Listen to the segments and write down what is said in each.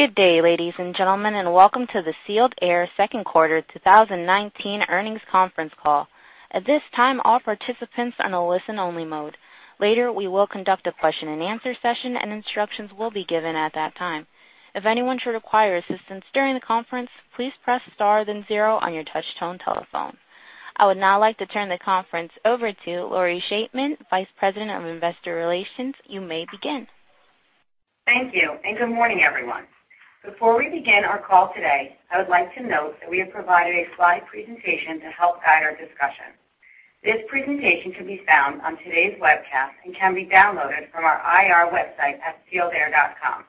Good day, ladies and gentlemen, welcome to the Sealed Air Second Quarter 2019 Earnings Conference Call. At this time, all participants are in a listen-only mode. Later, we will conduct a question-and-answer session and instructions will be given at that time. If anyone should require assistance during the conference, please press star then zero on your touchtone telephone. I would now like to turn the conference over to Lori Chaitman, Vice President of Investor Relations. You may begin. Thank you, and good morning, everyone. Before we begin our call today, I would like to note that we have provided a slide presentation to help guide our discussion. This presentation can be found on today's webcast and can be downloaded from our IR website at sealedair.com.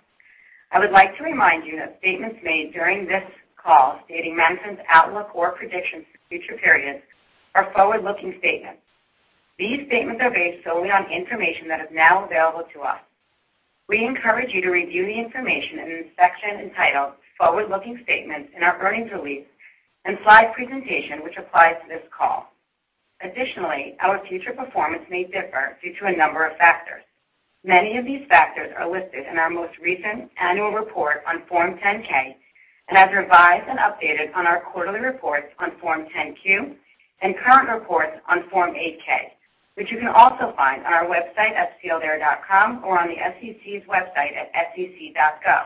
I would like to remind you that statements made during this call stating management's outlook or predictions for future periods are forward-looking statements. These statements are based solely on information that is now available to us. We encourage you to review the information in the section entitled Forward-Looking Statements in our earnings release and slide presentation which applies to this call. Additionally, our future performance may differ due to a number of factors. Many of these factors are listed in our most recent annual report on Form 10-K and as revised and updated on our quarterly reports on Form 10-Q and current reports on Form 8-K, which you can also find on our website at sealedair.com or on the SEC's website at sec.gov.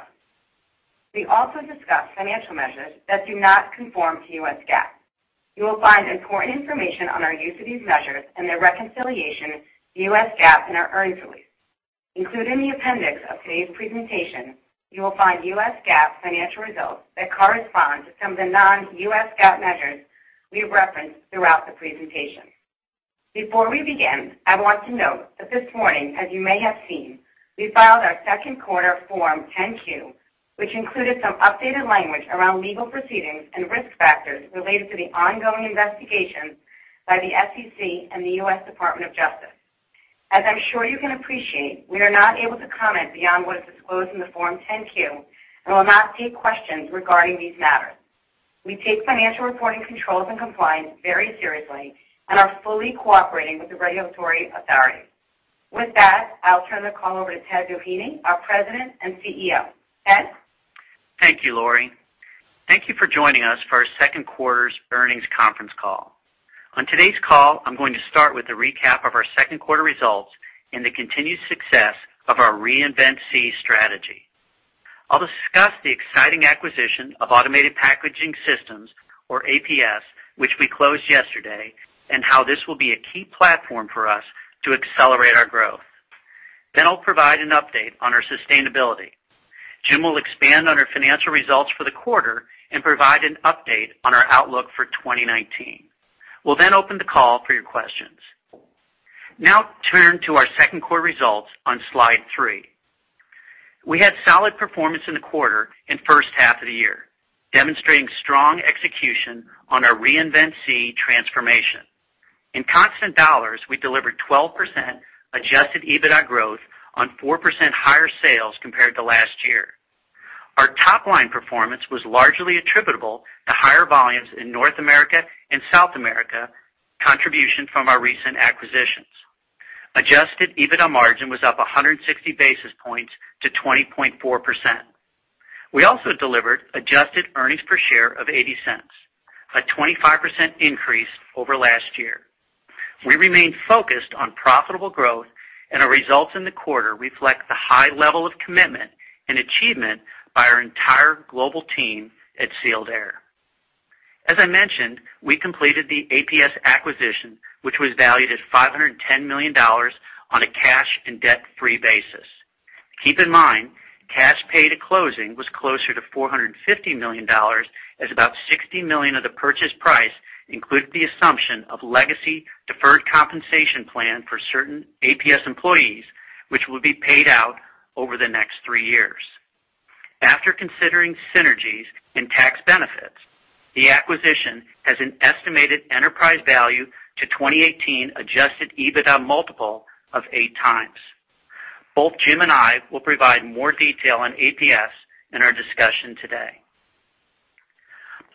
We also discuss financial measures that do not conform to US GAAP. You will find important information on our use of these measures and their reconciliation to US GAAP in our earnings release. Included in the appendix of today's presentation, you will find US GAAP financial results that correspond to some of the non-US GAAP measures we reference throughout the presentation. Before we begin, I want to note that this morning, as you may have seen, we filed our second quarter Form 10-Q, which included some updated language around legal proceedings and risk factors related to the ongoing investigations by the SEC and the U.S. Department of Justice. As I'm sure you can appreciate, we are not able to comment beyond what is disclosed in the Form 10-Q and will not take questions regarding these matters. We take financial reporting controls and compliance very seriously and are fully cooperating with the regulatory authorities. With that, I'll turn the call over to Ted Doheny, our President and CEO. Ted? Thank you, Lori. Thank you for joining us for our second quarter earnings conference call. On today's call, I'm going to start with a recap of our second quarter results and the continued success of our Reinvent SEE strategy. I'll discuss the exciting acquisition of Automated Packaging Systems, or APS, which we closed yesterday, and how this will be a key platform for us to accelerate our growth. I'll provide an update on our sustainability. Jim will expand on our financial results for the quarter and provide an update on our outlook for 2019. We'll open the call for your questions. Turn to our second quarter results on slide three. We had solid performance in the quarter and first half of the year, demonstrating strong execution on our Reinvent SEE transformation. In constant dollars, we delivered 12% adjusted EBITDA growth on 4% higher sales compared to last year. Our top-line performance was largely attributable to higher volumes in North America and South America, contribution from our recent acquisitions. Adjusted EBITDA margin was up 160 basis points to 20.4%. We also delivered adjusted earnings per share of $0.80, a 25% increase over last year. We remain focused on profitable growth, and our results in the quarter reflect the high level of commitment and achievement by our entire global team at Sealed Air. As I mentioned, we completed the APS acquisition, which was valued at $510 million on a cash and debt-free basis. Keep in mind, cash paid at closing was closer to $450 million, as about $60 million of the purchase price included the assumption of legacy deferred compensation plan for certain APS employees, which will be paid out over the next three years. After considering synergies and tax benefits, the acquisition has an estimated enterprise value to 2018 adjusted EBITDA multiple of eight times. Both Jim and I will provide more detail on APS in our discussion today.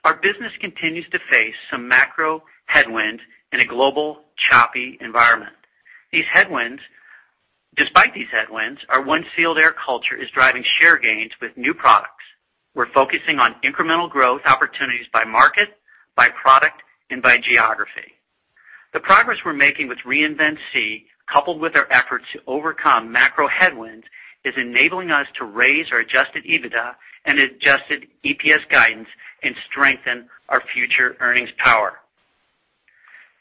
Our business continues to face some macro headwinds in a global choppy environment. Despite these headwinds, our One Sealed Air culture is driving share gains with new products. We're focusing on incremental growth opportunities by market, by product, and by geography. The progress we're making with Reinvent SEE, coupled with our efforts to overcome macro headwinds, is enabling us to raise our adjusted EBITDA and adjusted EPS guidance and strengthen our future earnings power.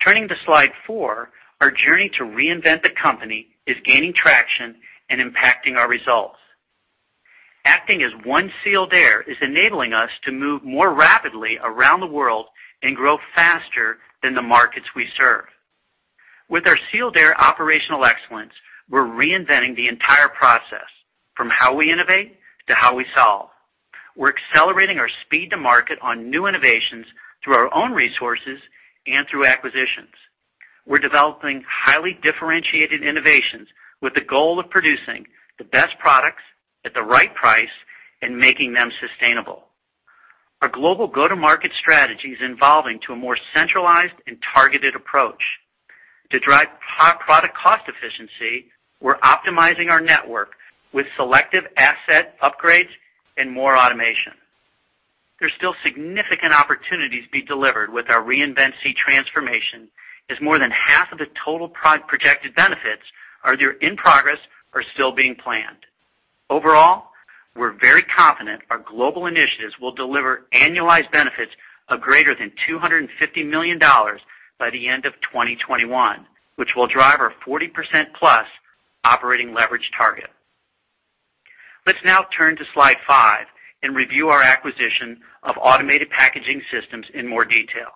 Turning to slide four, our journey to reinvent the company is gaining traction and impacting our results. Acting as One Sealed Air is enabling us to move more rapidly around the world and grow faster than the markets we serve. With our Sealed Air Operational Excellence, we're reinventing the entire process, from how we innovate to how we solve. We're accelerating our speed to market on new innovations through our own resources and through acquisitions. We're developing highly differentiated innovations with the goal of producing the best products at the right price and making them sustainable. Our global go-to-market strategy is evolving to a more centralized and targeted approach. To drive product cost efficiency, we're optimizing our network with selective asset upgrades and more automation. There's still significant opportunities to be delivered with our Reinvent SEE transformation, as more than half of the total projected benefits are either in progress or still being planned. Overall, we're very confident our global initiatives will deliver annualized benefits of greater than $250 million by the end of 2021, which will drive our 40%+ operating leverage target. Let's now turn to slide five and review our acquisition of Automated Packaging Systems in more detail.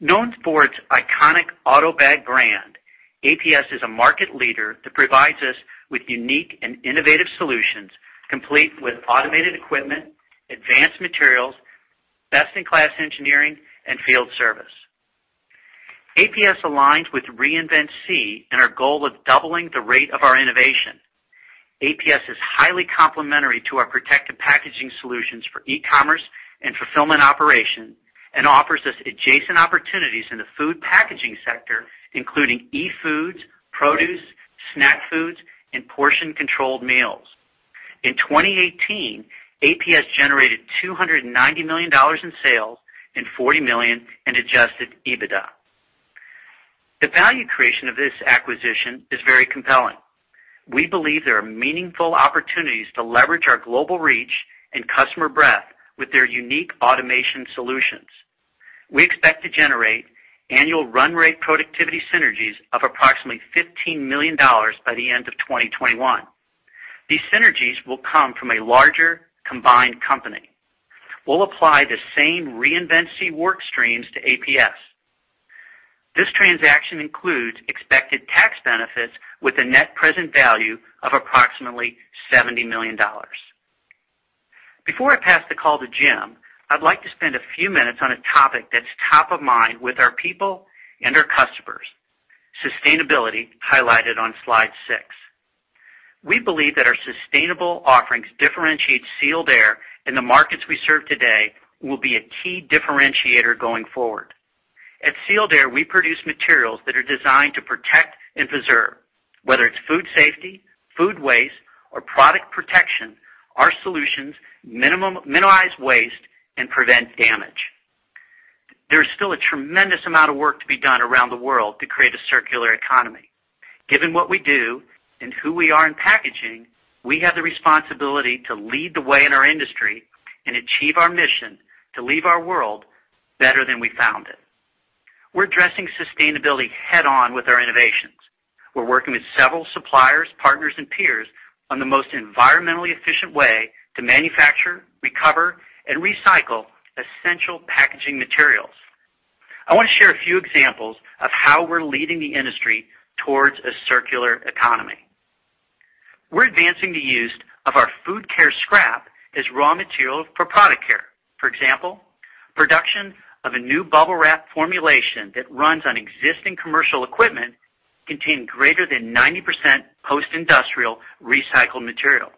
Known for its iconic AUTOBAG brand, APS is a market leader that provides us with unique and innovative solutions, complete with automated equipment, advanced materials, best-in-class engineering, and field service. APS aligns with Reinvent SEE and our goal of doubling the rate of our innovation. APS is highly complementary to our protective packaging solutions for e-commerce and fulfillment operation and offers us adjacent opportunities in the food packaging sector, including e-foods, produce, snack foods, and portion-controlled meals. In 2018, APS generated $290 million in sales and $40 million in adjusted EBITDA. The value creation of this acquisition is very compelling. We believe there are meaningful opportunities to leverage our global reach and customer breadth with their unique automation solutions. We expect to generate annual run rate productivity synergies of approximately $15 million by the end of 2021. These synergies will come from a larger combined company. We'll apply the same Reinvent SEE work streams to APS. This transaction includes expected tax benefits with a net present value of approximately $70 million. Before I pass the call to Jim, I'd like to spend a few minutes on a topic that's top of mind with our people and our customers, sustainability, highlighted on slide six. We believe that our sustainable offerings differentiate Sealed Air in the markets we serve today will be a key differentiator going forward. At Sealed Air, we produce materials that are designed to protect and preserve, whether it's food safety, food waste, or product protection, our solutions minimize waste and prevent damage. There's still a tremendous amount of work to be done around the world to create a circular economy. Given what we do and who we are in packaging, we have the responsibility to lead the way in our industry and achieve our mission to leave our world better than we found it. We're addressing sustainability head-on with our innovations. We're working with several suppliers, partners, and peers on the most environmentally efficient way to manufacture, recover, and recycle essential packaging materials. I want to share a few examples of how we're leading the industry towards a circular economy. We're advancing the use of our Food Care scrap as raw material for Product Care. For example, production of a new BUBBLE WRAP formulation that runs on existing commercial equipment contained greater than 90% post-industrial recycled material.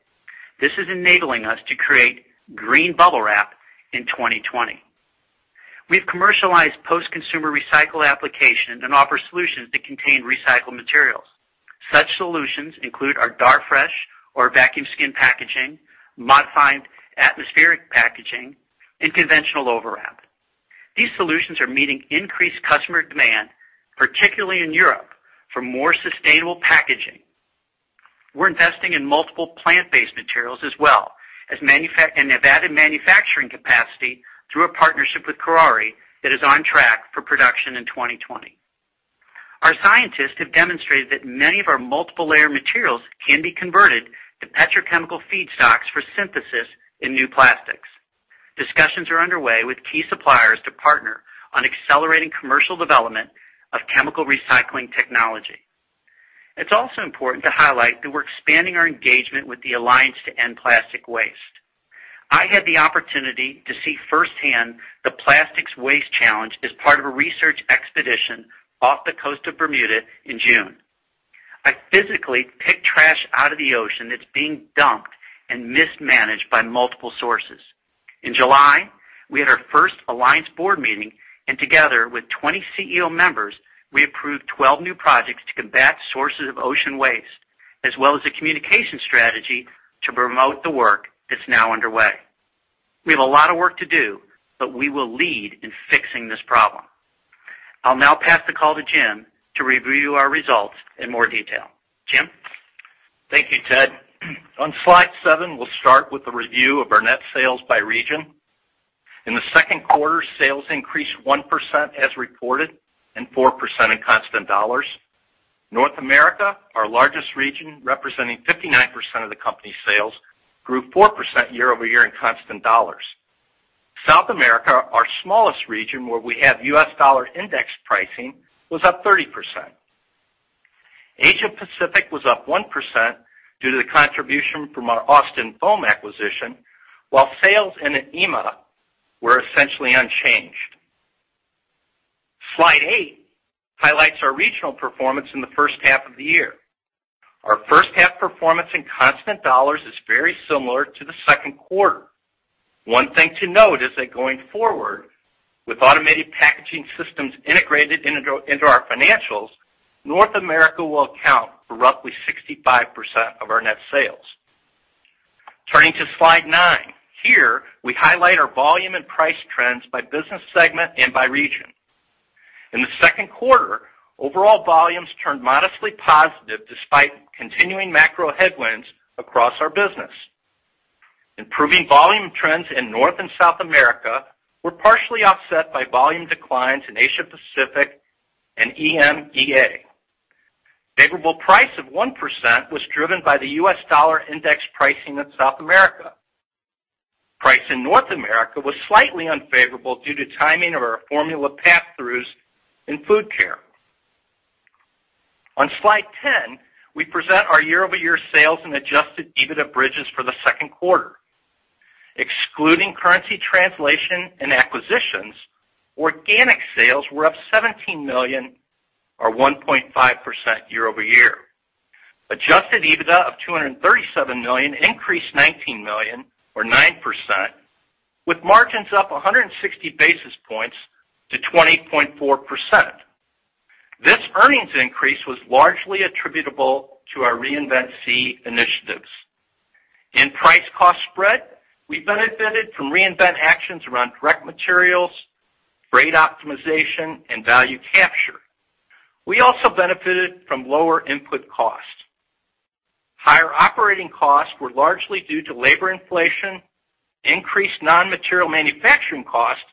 This is enabling us to create green BUBBLE WRAP in 2020. We've commercialized post-consumer recycled application and offer solutions that contain recycled materials. Such solutions include our Darfresh or vacuum skin packaging, Modified Atmosphere Packaging, and conventional overwrap. These solutions are meeting increased customer demand, particularly in Europe, for more sustainable packaging. We're investing in multiple plant-based materials as well and have added manufacturing capacity through a partnership with Kuraray that is on track for production in 2020. Our scientists have demonstrated that many of our multiple layer materials can be converted to petrochemical feedstocks for synthesis in new plastics. Discussions are underway with key suppliers to partner on accelerating commercial development of chemical recycling technology. It's also important to highlight that we're expanding our engagement with the Alliance to End Plastic Waste. I had the opportunity to see firsthand the plastics waste challenge as part of a research expedition off the coast of Bermuda in June. I physically picked trash out of the ocean that's being dumped and mismanaged by multiple sources. In July, we had our first Alliance board meeting. Together with 20 CEO members, we approved 12 new projects to combat sources of ocean waste, as well as a communication strategy to promote the work that's now underway. We have a lot of work to do. We will lead in fixing this problem. I'll now pass the call to Jim to review our results in more detail. Jim? Thank you, Ted. On slide seven, we'll start with the review of our net sales by region. In the second quarter, sales increased 1% as reported and 4% in constant dollars. North America, our largest region, representing 59% of the company's sales, grew 4% year-over-year in constant dollars. South America, our smallest region, where we have US dollar index pricing, was up 30%. Asia Pacific was up 1% due to the contribution from our Austin Foam acquisition, while sales in EMEA were essentially unchanged. Slide eight highlights our regional performance in the first half of the year. Our first half performance in constant dollars is very similar to the second quarter. One thing to note is that going forward, with Automated Packaging Systems integrated into our financials, North America will account for roughly 65% of our net sales. Turning to slide nine. Here, we highlight our volume and price trends by business segment and by region. In the second quarter, overall volumes turned modestly positive despite continuing macro headwinds across our business. Improving volume trends in North and South America were partially offset by volume declines in Asia Pacific and EMEA. Favorable price of 1% was driven by the U.S. dollar index pricing in South America. Price in North America was slightly unfavorable due to timing of our formula pass-throughs in Food Care. On slide 10, we present our year-over-year sales and adjusted EBITDA bridges for the second quarter. Excluding currency translation and acquisitions, organic sales were up $17 million or 1.5% year-over-year. Adjusted EBITDA of $237 million increased $19 million or 9%, with margins up 160 basis points to 20.4%. This earnings increase was largely attributable to our Reinvent SEE initiatives. In price cost spread, we benefited from Reinvent SEE actions around direct materials, rate optimization, and value capture. We also benefited from lower input costs. Higher operating costs were largely due to labor inflation, increased non-material manufacturing costs,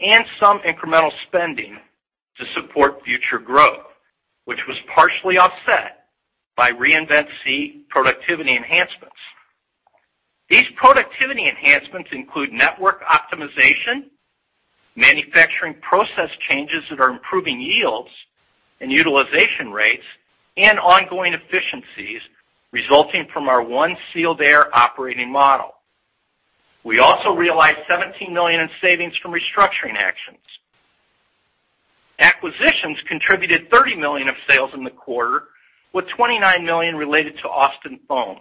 and some incremental spending to support future growth, which was partially offset by Reinvent SEE productivity enhancements. These productivity enhancements include network optimization, manufacturing process changes that are improving yields and utilization rates, and ongoing efficiencies resulting from our One Sealed Air operating model. We also realized $17 million in savings from restructuring actions. Acquisitions contributed $30 million of sales in the quarter, with $29 million related to Austin Foam.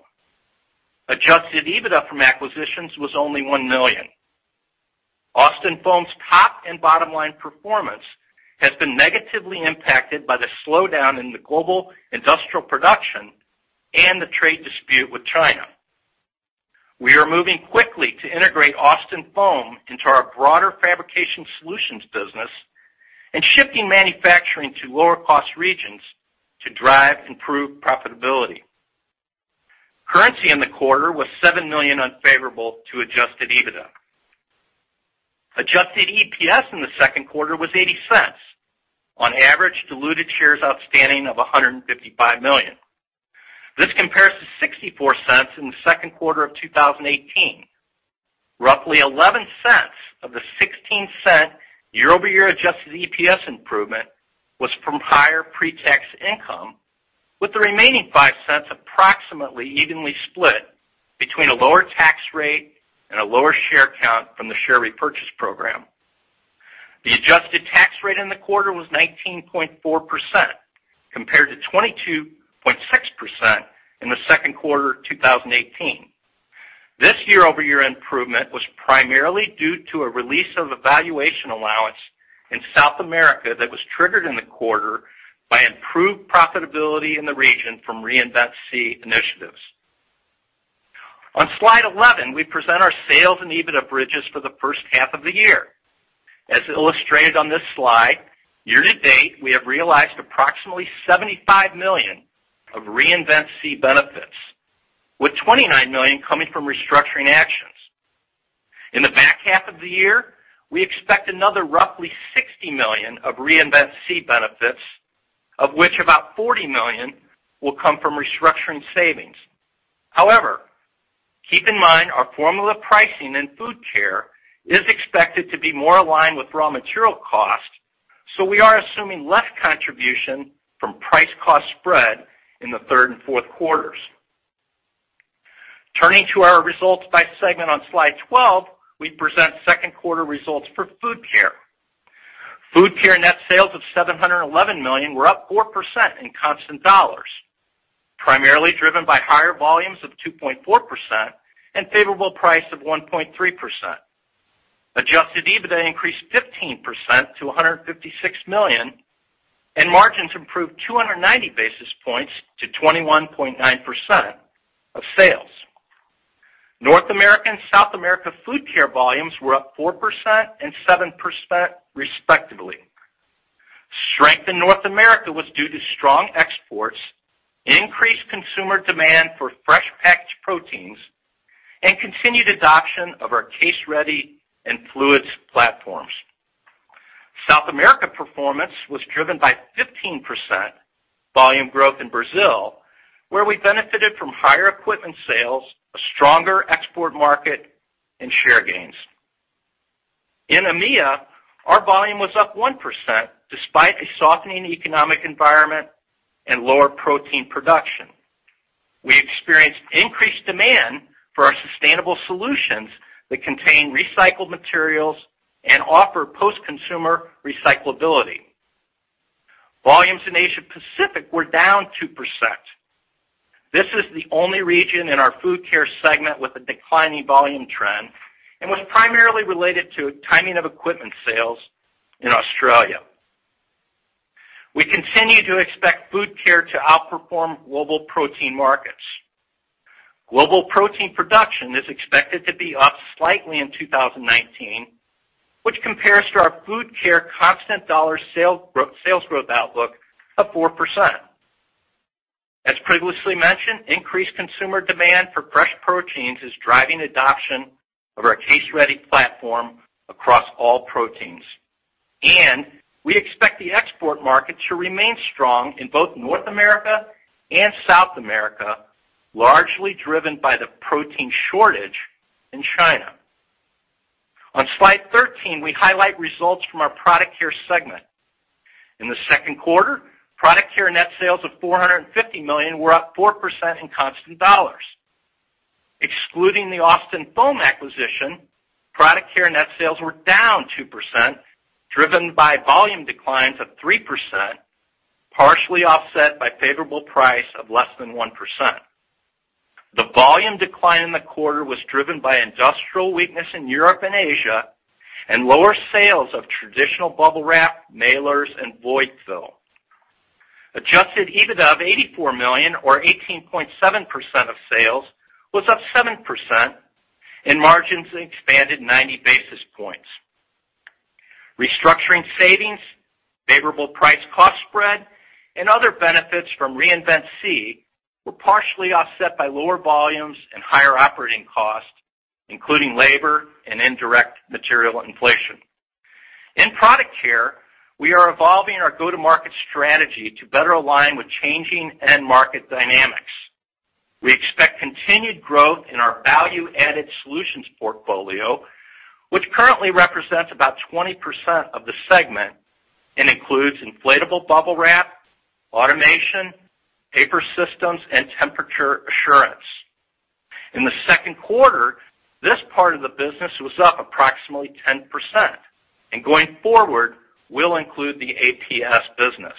adjusted EBITDA from acquisitions was only $1 million. Austin Foam's top and bottom line performance has been negatively impacted by the slowdown in the global industrial production and the trade dispute with China. We are moving quickly to integrate Austin Foam into our broader fabrication solutions business and shifting manufacturing to lower cost regions to drive improved profitability. Currency in the quarter was $7 million unfavorable to adjusted EBITDA. Adjusted EPS in the second quarter was $0.80 on average diluted shares outstanding of 155 million. This compares to $0.64 in the second quarter of 2018. Roughly $0.11 of the $0.16 year-over-year adjusted EPS improvement was from higher pre-tax income, with the remaining $0.05 approximately evenly split between a lower tax rate and a lower share count from the share repurchase program. The adjusted tax rate in the quarter was 19.4%, compared to 22.6% in the second quarter of 2018. This year-over-year improvement was primarily due to a release of evaluation allowance in South America that was triggered in the quarter by improved profitability in the region from Reinvent SEE initiatives. On slide 11, we present our sales and EBITDA bridges for the first half of the year. As illustrated on this slide, year-to-date, we have realized approximately $75 million of Reinvent SEE benefits, with $29 million coming from restructuring actions. In the back half of the year, we expect another roughly $60 million of Reinvent SEE benefits, of which about $40 million will come from restructuring savings. Keep in mind our formula pricing in Food Care is expected to be more aligned with raw material cost, so we are assuming less contribution from price cost spread in the third and fourth quarters. Turning to our results by segment on Slide 12, we present second quarter results for Food Care. Food Care net sales of $711 million were up 4% in constant dollars, primarily driven by higher volumes of 2.4% and favorable price of 1.3%. Adjusted EBITDA increased 15% to $156 million, and margins improved 290 basis points to 21.9% of sales. North America and South America Food Care volumes were up 4% and 7% respectively. Strength in North America was due to strong exports, increased consumer demand for fresh-packed proteins, and continued adoption of our case-ready and fluids platforms. South America performance was driven by 15% volume growth in Brazil, where we benefited from higher equipment sales, a stronger export market, and share gains. In EMEA, our volume was up 1%, despite a softening economic environment and lower protein production. Increased demand for our sustainable solutions that contain recycled materials and offer post-consumer recyclability. Volumes in Asia Pacific were down 2%. This is the only region in our Food Care segment with a declining volume trend and was primarily related to timing of equipment sales in Australia. We continue to expect Food Care to outperform global protein markets. Global protein production is expected to be up slightly in 2019, which compares to our Food Care constant dollar sales growth outlook of 4%. As previously mentioned, increased consumer demand for fresh proteins is driving adoption of our case-ready platform across all proteins. We expect the export market to remain strong in both North America and South America, largely driven by the protein shortage in China. On slide 13, we highlight results from our Product Care segment. In the second quarter, Product Care net sales of $450 million were up 4% in constant dollars. Excluding the Austin Foam acquisition, Product Care net sales were down 2%, driven by volume declines of 3%, partially offset by favorable price of less than 1%. The volume decline in the quarter was driven by industrial weakness in Europe and Asia and lower sales of traditional BUBBLE WRAP, mailers, and void fill. Adjusted EBITDA of $84 million or 18.7% of sales was up 7%, and margins expanded 90 basis points. Restructuring savings, favorable price cost spread, and other benefits from Reinvent SEE were partially offset by lower volumes and higher operating costs, including labor and indirect material inflation. In Product Care, we are evolving our go-to-market strategy to better align with changing end market dynamics. We expect continued growth in our value-added solutions portfolio, which currently represents about 20% of the segment and includes inflatable BUBBLE WRAP, automation, paper systems, and temperature assurance. In the second quarter, this part of the business was up approximately 10%, going forward will include the APS business.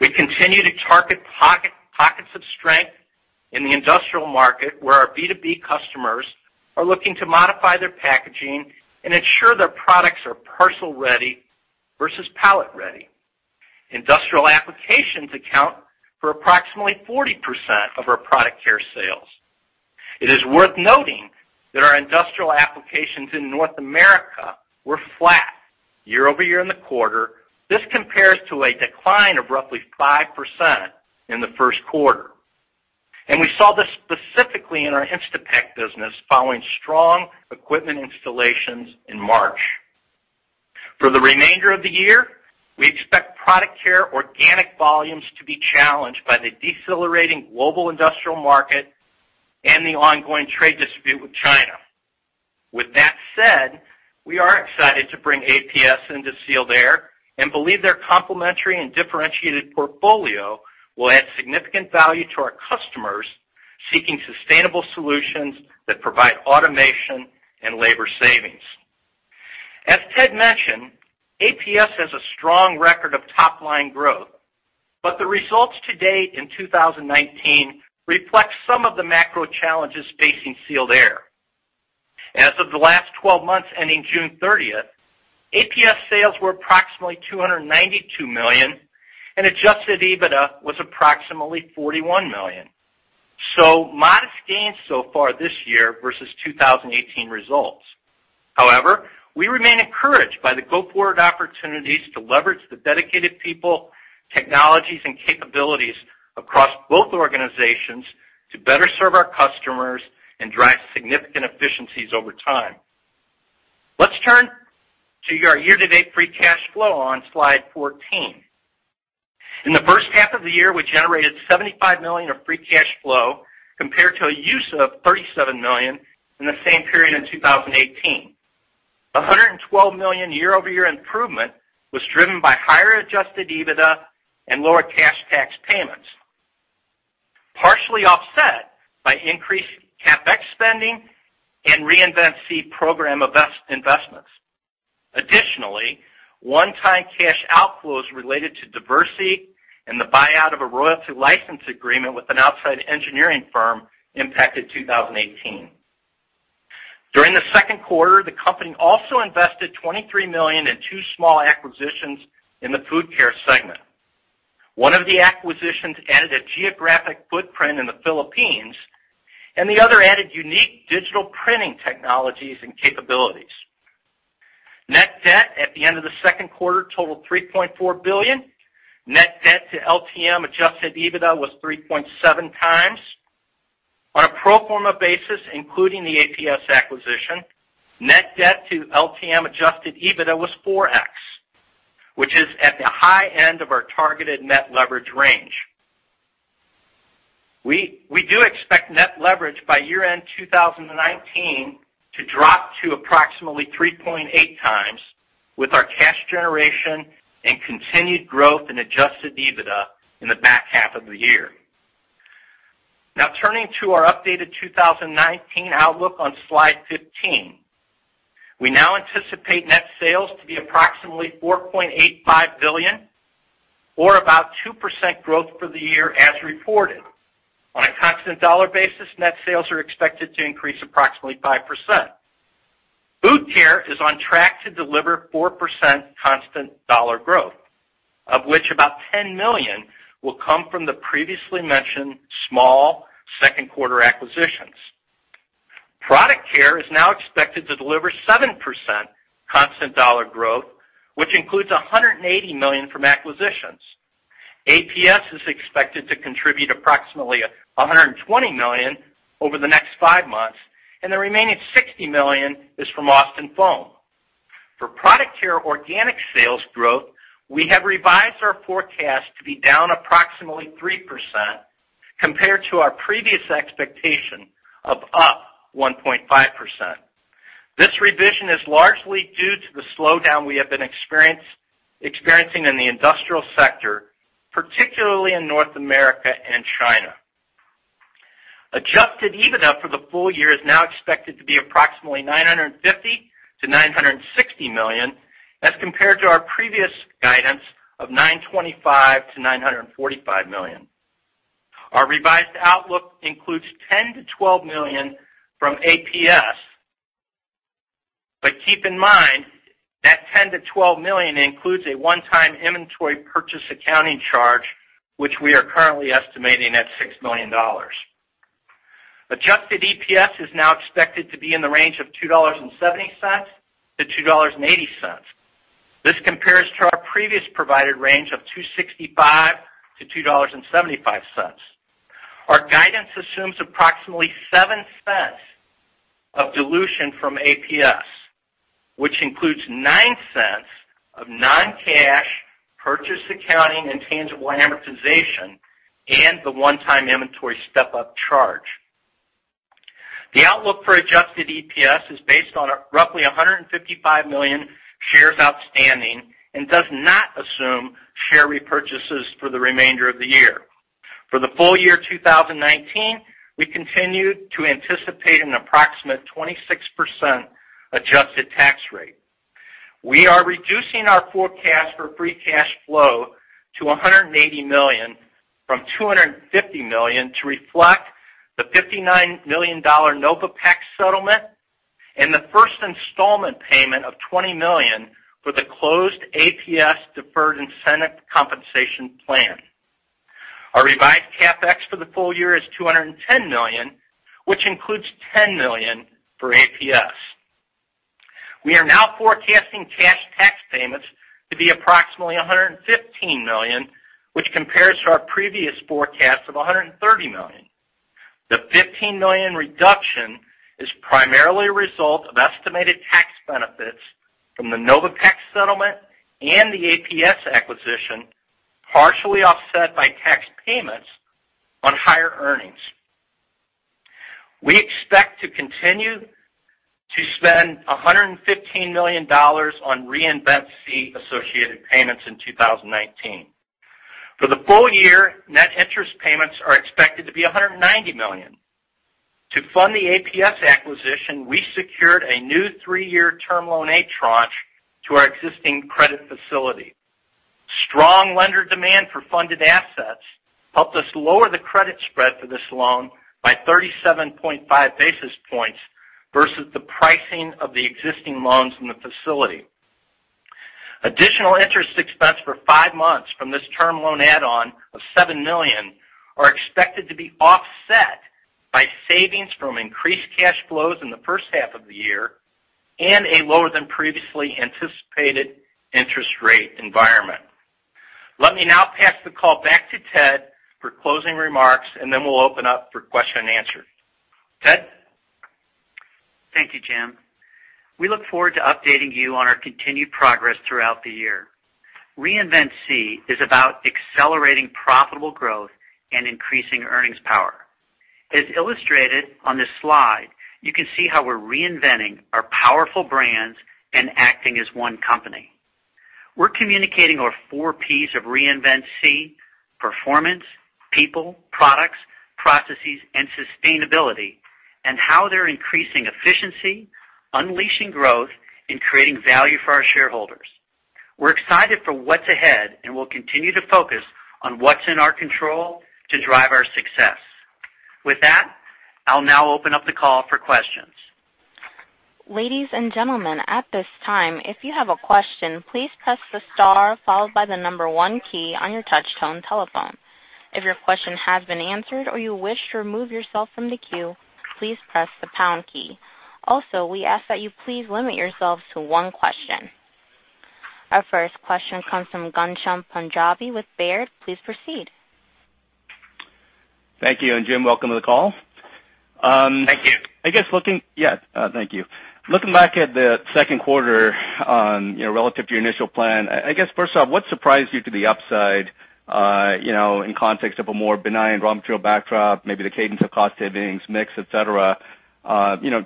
We continue to target pockets of strength in the industrial market, where our B2B customers are looking to modify their packaging and ensure their products are parcel-ready versus pallet-ready. Industrial applications account for approximately 40% of our Product Care sales. It is worth noting that our industrial applications in North America were flat year-over-year in the quarter. This compares to a decline of roughly 5% in the first quarter. We saw this specifically in our Instapak business following strong equipment installations in March. For the remainder of the year, we expect Product Care organic volumes to be challenged by the decelerating global industrial market and the ongoing trade dispute with China. With that said, we are excited to bring APS into Sealed Air and believe their complementary and differentiated portfolio will add significant value to our customers seeking sustainable solutions that provide automation and labor savings. As Ted mentioned, APS has a strong record of top-line growth, but the results to date in 2019 reflect some of the macro challenges facing Sealed Air. As of the last 12 months, ending June 30th, APS sales were approximately $292 million, and adjusted EBITDA was approximately $41 million. Modest gains so far this year versus 2018 results. However, we remain encouraged by the go-forward opportunities to leverage the dedicated people, technologies, and capabilities across both organizations to better serve our customers and drive significant efficiencies over time. Let's turn to our year-to-date free cash flow on slide 14. In the first half of the year, we generated $75 million of free cash flow compared to a use of $37 million in the same period in 2018. $112 million year-over-year improvement was driven by higher adjusted EBITDA and lower cash tax payments, partially offset by increased CapEx spending and Reinvent SEE program investments. Additionally, one-time cash outflows related to diversity and the buyout of a royalty license agreement with an outside engineering firm impacted 2018. During the second quarter, the company also invested $23 million in two small acquisitions in the Food Care segment. One of the acquisitions added a geographic footprint in the Philippines. The other added unique digital printing technologies and capabilities. Net debt at the end of the second quarter totaled $3.4 billion. Net debt to LTM adjusted EBITDA was 3.7 times. On a pro forma basis, including the APS acquisition, net debt to LTM adjusted EBITDA was 4x, which is at the high end of our targeted net leverage range. We do expect net leverage by year-end 2019 to drop to approximately 3.8 times. With our cash generation and continued growth in adjusted EBITDA in the back half of the year. Turning to our updated 2019 outlook on slide 15. We now anticipate net sales to be approximately $4.85 billion or about 2% growth for the year as reported. On a constant dollar basis, net sales are expected to increase approximately 5%. Food Care is on track to deliver 4% constant dollar growth, of which about $10 million will come from the previously mentioned small second quarter acquisitions. Product Care is now expected to deliver 7% constant dollar growth, which includes $180 million from acquisitions. APS is expected to contribute approximately $120 million over the next five months, and the remaining $60 million is from Austin Foam. For Product Care organic sales growth, we have revised our forecast to be down approximately 3% compared to our previous expectation of up 1.5%. This revision is largely due to the slowdown we have been experiencing in the industrial sector, particularly in North America and China. Adjusted EBITDA for the full year is now expected to be approximately $950 million-$960 million, as compared to our previous guidance of $925 million-$945 million. Our revised outlook includes $10 million-$12 million from APS. Keep in mind that $10 million-$12 million includes a one-time inventory purchase accounting charge, which we are currently estimating at $6 million. Adjusted EPS is now expected to be in the range of $2.70-$2.80. This compares to our previous provided range of $2.65-$2.75. Our guidance assumes approximately $0.07 of dilution from APS, which includes $0.09 of non-cash purchase accounting and tangible amortization and the one-time inventory step-up charge. The outlook for adjusted EPS is based on roughly 155 million shares outstanding and does not assume share repurchases for the remainder of the year. For the full year 2019, we continue to anticipate an approximate 26% adjusted tax rate. We are reducing our forecast for free cash flow to $180 million from $250 million to reflect the $59 million NOVIPAX settlement and the first installment payment of $20 million for the closed APS deferred incentive compensation plan. Our revised CapEx for the full year is $210 million, which includes $10 million for APS. We are now forecasting cash tax payments to be approximately $115 million, which compares to our previous forecast of $130 million. The $15 million reduction is primarily a result of estimated tax benefits from the NOVIPAX settlement and the APS acquisition, partially offset by tax payments on higher earnings. We expect to continue to spend $115 million on Reinvent SEE associated payments in 2019. For the full year, net interest payments are expected to be $190 million. To fund the APS acquisition, we secured a new three-year term loan A tranche to our existing credit facility. Strong lender demand for funded assets helped us lower the credit spread for this loan by 37.5 basis points versus the pricing of the existing loans in the facility. Additional interest expense for five months from this term loan A of $7 million are expected to be offset by savings from increased cash flows in the first half of the year and a lower than previously anticipated interest rate environment. Let me now pass the call back to Ted for closing remarks. Then we'll open up for question and answer. Ted? Thank you, Jim. We look forward to updating you on our continued progress throughout the year. Reinvent SEE is about accelerating profitable growth and increasing earnings power. As illustrated on this slide, you can see how we're reinventing our powerful brands and acting as One Sealed Air. We're communicating our four Ps of Reinvent SEE, performance, people, products, processes, and sustainability, and how they're increasing efficiency, unleashing growth and creating value for our shareholders. We're excited for what's ahead, and we'll continue to focus on what's in our control to drive our success. With that, I'll now open up the call for questions. Ladies and gentlemen, at this time, if you have a question, please press the star followed by the number one key on your touch tone telephone. If your question has been answered or you wish to remove yourself from the queue, please press the pound key. Also, we ask that you please limit yourselves to one question. Our first question comes from Ghansham Panjabi with Baird. Please proceed. Thank you. Jim, welcome to the call. Thank you. Yeah. Thank you. Looking back at the second quarter on relative to your initial plan, I guess first off, what surprised you to the upside in context of a more benign raw material backdrop, maybe the cadence of cost savings, mix, et cetera?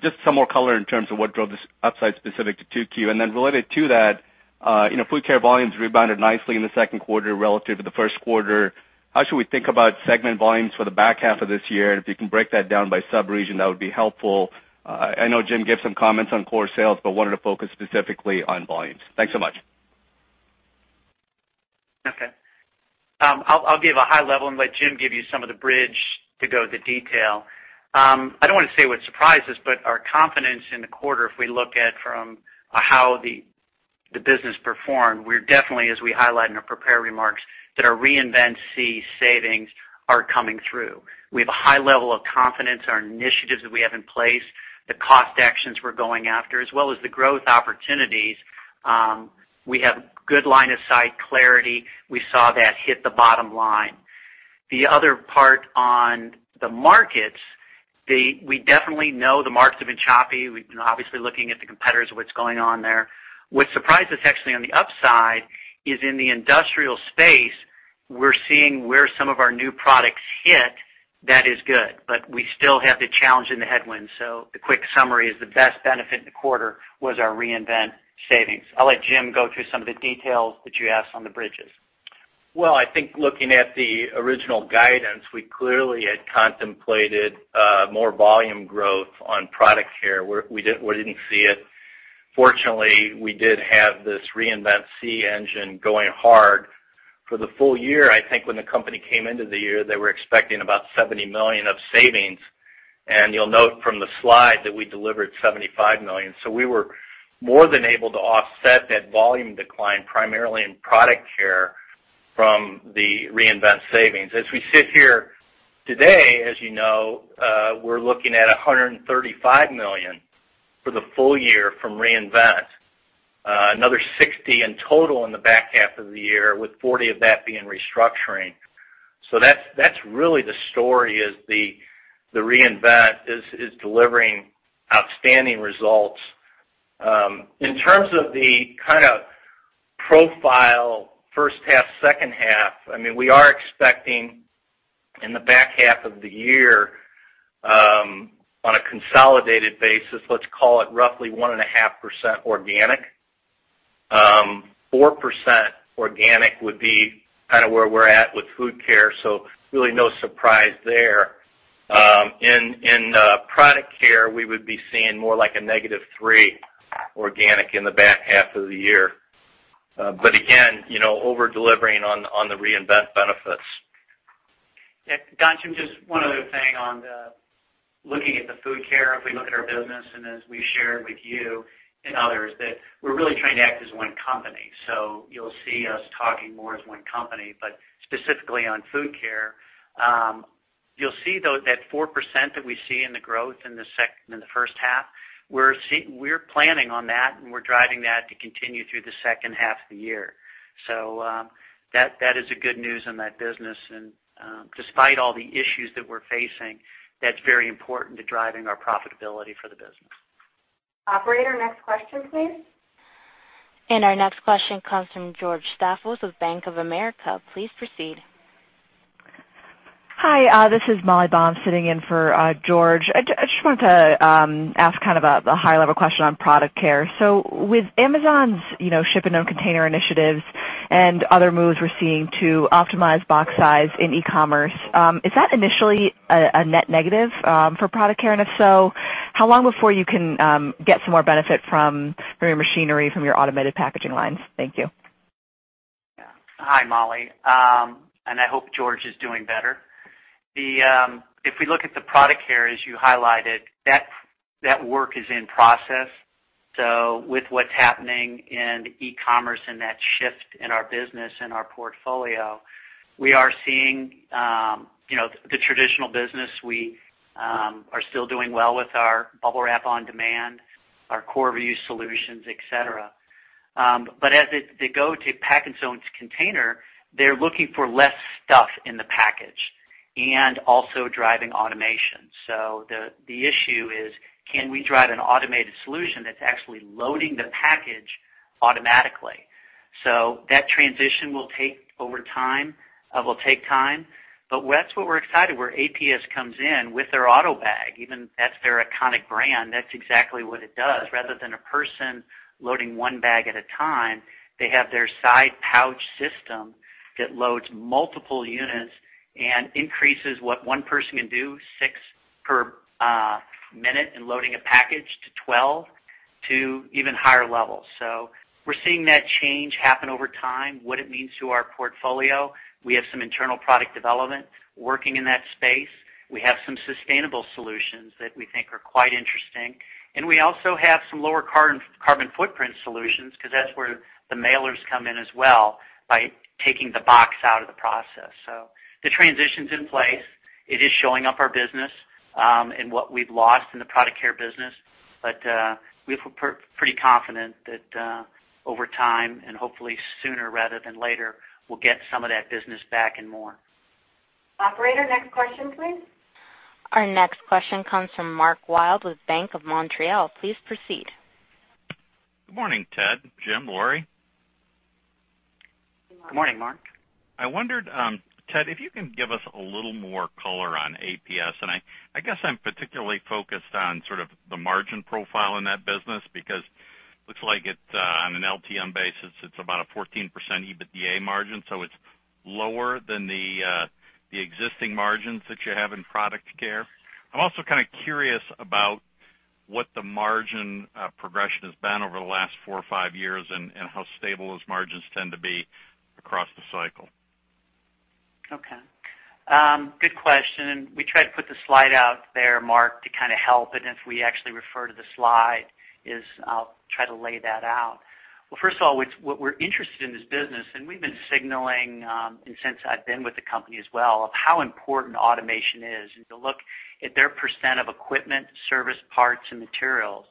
Just some more color in terms of what drove this upside specific to 2Q. Related to that, Food Care volumes rebounded nicely in the second quarter relative to the first quarter. How should we think about segment volumes for the back half of this year? If you can break that down by sub-region, that would be helpful. I know Jim gave some comments on core sales, but wanted to focus specifically on volumes. Thanks so much. Okay. I'll give a high level and let Jim give you some of the bridge to go to detail. I don't want to say what surprised us, but our confidence in the quarter, if we look at from how the business performed, we're definitely, as we highlight in our prepared remarks, that our Reinvent SEE savings are coming through. We have a high level of confidence, our initiatives that we have in place, the cost actions we're going after, as well as the growth opportunities. We have good line of sight clarity. We saw that hit the bottom line. The other part on the markets, we definitely know the markets have been choppy. We've been obviously looking at the competitors, what's going on there. What surprised us actually on the upside is in the industrial space, we're seeing where some of our new products hit. That is good, we still have the challenge and the headwinds. The quick summary is the best benefit in the quarter was our Reinvent savings. I'll let Jim go through some of the details that you asked on the bridges. Well, I think looking at the original guidance, we clearly had contemplated more volume growth on Product Care where we didn't see it. Fortunately, we did have this Reinvent SEE engine going hard. For the full year, I think when the company came into the year, they were expecting about $70 million of savings, and you'll note from the slide that we delivered $75 million. We were more than able to offset that volume decline primarily in Product Care from the Reinvent savings. As we sit here today, as you know, we're looking at $135 million for the full year from Reinvent. Another $60 in total in the back half of the year, with $40 of that being restructuring. That's really the story is the Reinvent is delivering outstanding results. In terms of the kind of profile first half, second half, we are expecting in the back half of the year, on a consolidated basis, let's call it roughly 1.5% organic. 4% organic would be kind of where we're at with Food Care, so really no surprise there. In Product Care, we would be seeing more like a negative three organic in the back half of the year. But again, over-delivering on the Reinvent benefits. Don, Jim, just one other thing on the looking at the Food Care. If we look at our business, and as we shared with you and others, that we're really trying to act as one company. You'll see us talking more as one company, but specifically on Food Care. You'll see, though, that 4% that we see in the growth in the first half, we're planning on that, and we're driving that to continue through the second half of the year. That is a good news in that business. Despite all the issues that we're facing, that's very important to driving our profitability for the business. Operator, next question, please. Our next question comes from George Staphos with BofA Merrill Lynch. Please proceed. Hi, this is Molly Baum sitting in for George. I just wanted to ask kind of a high-level question on Product Care. With Amazon's ship and own container initiatives and other moves we're seeing to optimize box size in e-commerce, is that initially a net negative for Product Care? If so, how long before you can get some more benefit from your machinery, from your automated packaging lines? Thank you. Yeah. Hi, Molly. I hope George is doing better. If we look at the Product Care, as you highlighted, that work is in process. With what's happening in e-commerce and that shift in our business and our portfolio, we are seeing the traditional business. We are still doing well with our Bubble Wrap on Demand, our core reuse solutions, et cetera. As they go to pack its own container, they're looking for less stuff in the package and also driving automation. The issue is, can we drive an automated solution that's actually loading the package automatically? That transition will take time. That's what we're excited, where APS comes in with their AUTOBAG, even that's their iconic brand. That's exactly what it does. Rather than a person loading one bag at a time, they have their side pouch system that loads multiple units and increases what one person can do, six per minute in loading a package to 12 to even higher levels. We're seeing that change happen over time. What it means to our portfolio, we have some internal product development working in that space. We have some sustainable solutions that we think are quite interesting, and we also have some lower carbon footprint solutions because that's where the mailers come in as well by taking the box out of the process. The transition's in place. It is showing up our business in what we've lost in the Product Care business. We feel pretty confident that over time and hopefully sooner rather than later, we'll get some of that business back and more. Operator, next question please. Our next question comes from Mark Wilde with Bank of Montreal. Please proceed. Good morning, Ted, Jim, Lori. Good morning, Mark. I wondered, Ted, if you can give us a little more color on APS, and I guess I'm particularly focused on sort of the margin profile in that business because looks like it's on an LTM basis, it's about a 14% EBITDA margin, so it's lower than the existing margins that you have in Product Care. I'm also kind of curious about what the margin progression has been over the last four or five years, and how stable those margins tend to be across the cycle. Okay. Good question, we tried to put the slide out there, Mark, to kind of help. If we actually refer to the slide, is I'll try to lay that out. Well, first of all, what we're interested in this business, we've been signaling, since I've been with the company as well, of how important automation is, if you look at their % of equipment, service parts, and materials.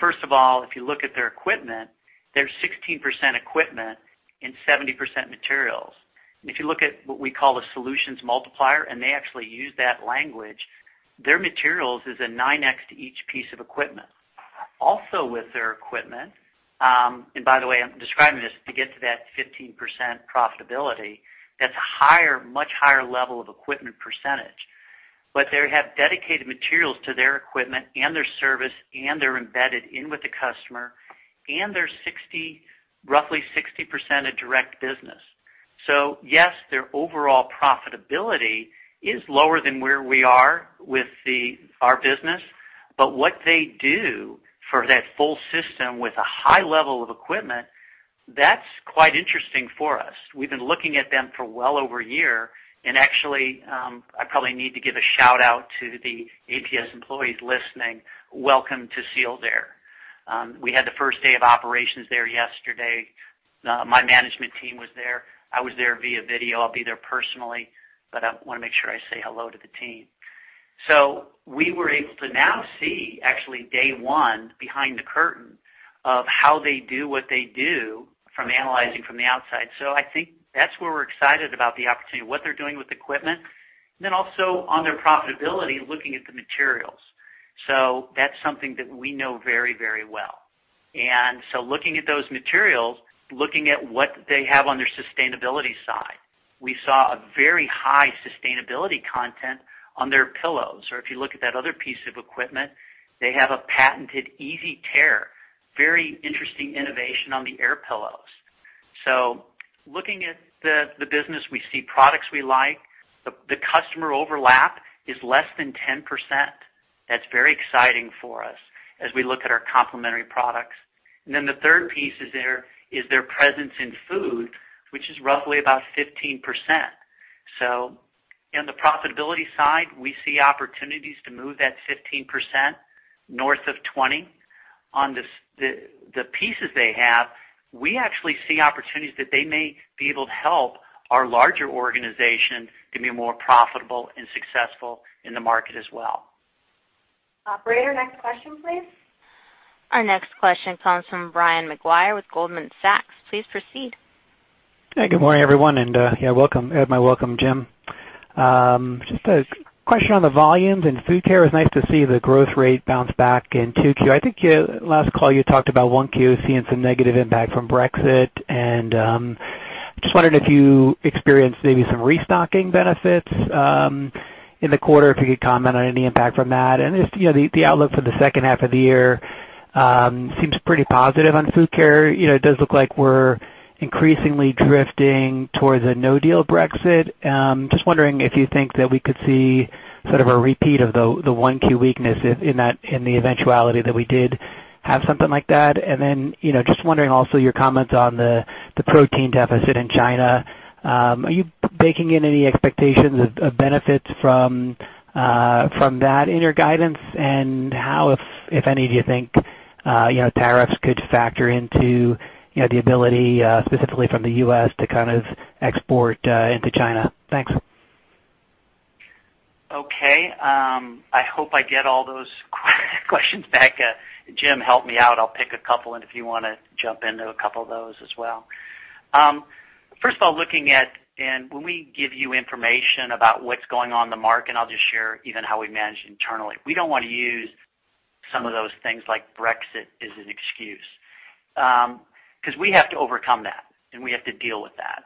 First of all, if you look at their equipment, they're 16% equipment and 70% materials. If you look at what we call a solutions multiplier, they actually use that language, their materials is a 9X to each piece of equipment. Also with their equipment, by the way, I'm describing this to get to that 15% profitability, that's a much higher level of equipment %. They have dedicated materials to their equipment and their service, and they're embedded in with the customer, and they're roughly 60% a direct business. Yes, their overall profitability is lower than where we are with our business. What they do for that full system with a high level of equipment, that's quite interesting for us. We've been looking at them for well over a year. Actually, I probably need to give a shout-out to the APS employees listening. Welcome to Sealed Air. We had the first day of operations there yesterday. My management team was there. I was there via video. I'll be there personally, but I want to make sure I say hello to the team. We were able to now see actually day one behind the curtain of how they do what they do from analyzing from the outside. I think that's where we're excited about the opportunity, what they're doing with equipment, and then also on their profitability, looking at the materials. That's something that we know very, very well. Looking at those materials, looking at what they have on their sustainability side, we saw a very high sustainability content on their pillows. If you look at that other piece of equipment, they have a patented easy tear. Very interesting innovation on the air pillows. Looking at the business, we see products we like. The customer overlap is less than 10%. That's very exciting for us as we look at our complementary products. The third piece is their presence in food, which is roughly about 15%. On the profitability side, we see opportunities to move that 15% north of 20%. On the pieces they have, we actually see opportunities that they may be able to help our larger organization to be more profitable and successful in the market as well. Operator, next question, please. Our next question comes from Brian Maguire with Goldman Sachs. Please proceed. Hi, good morning, everyone, and my welcome, Jim. A question on the volumes in Food Care. It was nice to see the growth rate bounce back in 2Q. I think last call you talked about 1Q seeing some negative impact from Brexit. Wondering if you experienced maybe some restocking benefits in the quarter, if you could comment on any impact from that. The outlook for the second half of the year seems pretty positive on Food Care. It does look like we're increasingly drifting towards a no-deal Brexit. Wondering if you think that we could see sort of a repeat of the 1Q weakness in the eventuality that we did have something like that. Wondering also your comments on the protein deficit in China. Are you baking in any expectations of benefits from that in your guidance? How, if any, do you think tariffs could factor into the ability, specifically from the U.S., to kind of export into China? Thanks. Okay. I hope I get all those questions back. Jim, help me out. I'll pick a couple, and if you want to jump into a couple of those as well. First of all, looking at, when we give you information about what's going on in the market, I'll just share even how we manage internally. We don't want to use some of those things like Brexit as an excuse. We have to overcome that, and we have to deal with that.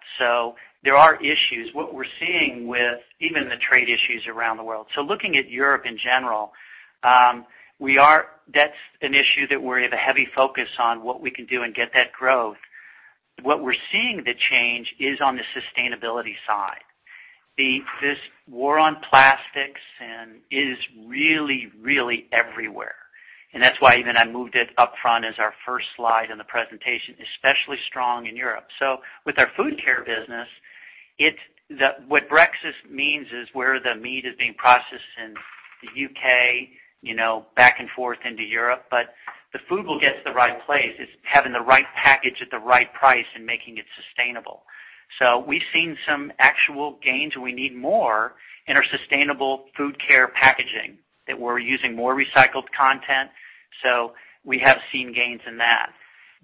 There are issues. What we're seeing with even the trade issues around the world. Looking at Europe in general, that's an issue that we have a heavy focus on what we can do and get that growth. What we're seeing the change is on the sustainability side. This war on plastics is really everywhere. That's why I even moved it upfront as our first slide in the presentation, especially strong in Europe. With our Food Care business, what Brexit means is where the meat is being processed in the U.K., back and forth into Europe. The food will get to the right place. It's having the right package at the right price and making it sustainable. We've seen some actual gains, and we need more in our sustainable Food Care packaging, that we're using more recycled content. We have seen gains in that.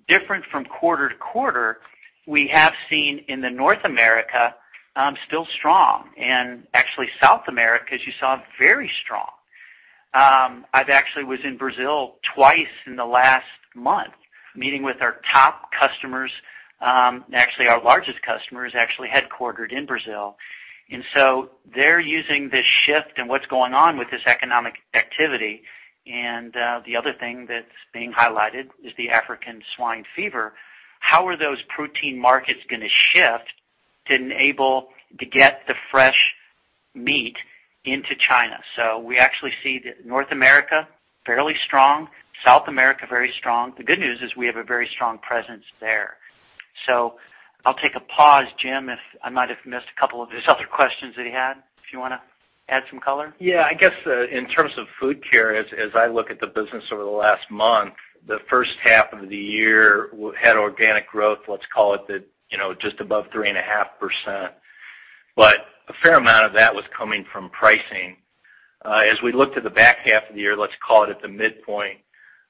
Different from quarter to quarter, we have seen in the North America, still strong. Actually, South America, as you saw, very strong. I've actually was in Brazil twice in the last month, meeting with our top customers. Actually, our largest customer is actually headquartered in Brazil. They're using this shift and what's going on with this economic activity. The other thing that's being highlighted is the African swine fever. How are those protein markets going to shift to enable to get the fresh meat into China? We actually see that North America, fairly strong, South America, very strong. The good news is we have a very strong presence there. I'll take a pause, Jim, if I might have missed a couple of his other questions that he had. If you want to add some color. I guess, in terms of Food Care, as I look at the business over the last month, the first half of the year, we had organic growth, let's call it just above 3.5%. A fair amount of that was coming from pricing. As we look to the back half of the year, let's call it at the midpoint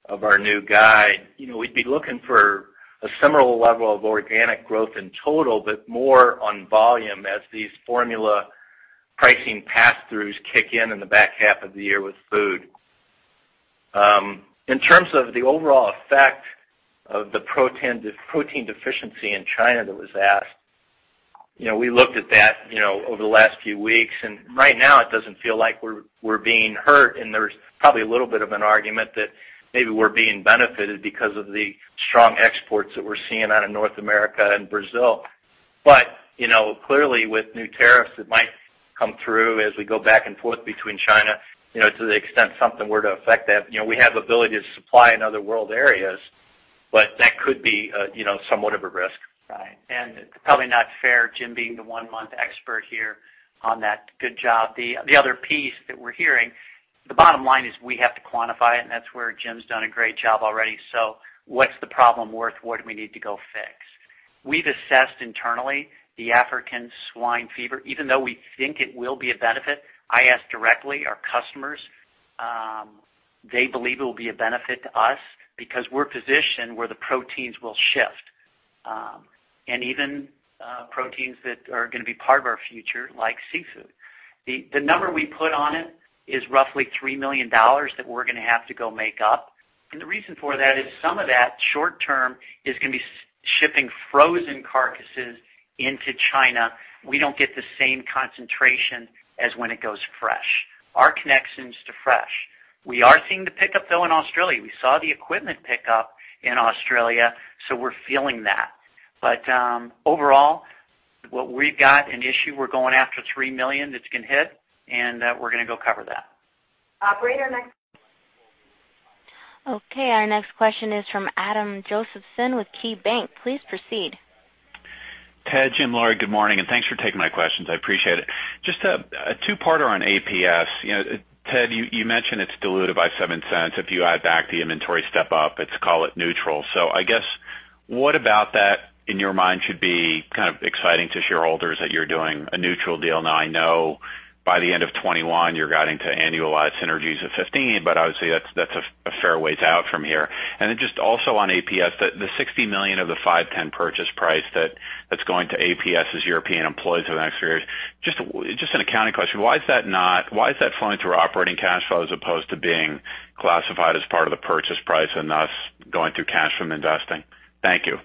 of our new guide. We'd be looking for a similar level of organic growth in total, but more on volume as these formula pricing pass-throughs kick in in the back half of the year with food. In terms of the overall effect of the protein deficiency in China that was asked, we looked at that over the last few weeks. Right now it doesn't feel like we're being hurt. There's probably a little bit of an argument that maybe we're being benefited because of the strong exports that we're seeing out of North America and Brazil. Clearly, with new tariffs that might come through as we go back and forth between China, to the extent something were to affect that, we have ability to supply in other world areas, but that could be somewhat of a risk. Right. It's probably not fair, Jim being the one-month expert here on that. Good job. The other piece that we're hearing, the bottom line is we have to quantify it. That's where Jim's done a great job already. What's the problem worth? What do we need to go fix? We've assessed internally the African swine fever. Even though we think it will be a benefit, I asked directly our customers, they believe it will be a benefit to us because we're positioned where the proteins will shift. Even proteins that are going to be part of our future, like seafood. The number we put on it is roughly $3 million that we're going to have to go make up. The reason for that is some of that short-term is going to be shipping frozen carcasses into China. We don't get the same concentration as when it goes fresh. Our connection's to fresh. We are seeing the pickup, though, in Australia. We saw the equipment pickup in Australia, so we're feeling that. Overall, what we've got an issue, we're going after $3 million that's going to hit, and we're going to go cover that. Operator, next. Okay. Our next question is from Adam Josephson with KeyBanc. Please proceed. Ted, Jim, Lori, good morning. Thanks for taking my questions. I appreciate it. Just a two-parter on APS. Ted, you mentioned it's diluted by $0.07. If you add back the inventory step up, let's call it neutral. I guess what about that, in your mind, should be kind of exciting to shareholders that you're doing a neutral deal? Now, I know by the end of 2021, you're guiding to annualized synergies of 15, but obviously, that's a fair ways out from here. Just also on APS, the $60 million of the $510 million purchase price that's going to APS' European employees over the next few years. Just an accounting question. Why is that flowing through our operating cash flow as opposed to being classified as part of the purchase price and thus going through cash from investing? Thank you.